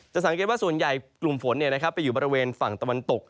สังเกตว่าส่วนใหญ่กลุ่มฝนไปอยู่บริเวณฝั่งตะวันตก